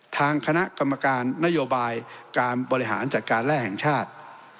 ทางคณะกรรมการนโยบายการบริหารจัดการแร่แห่งชาติ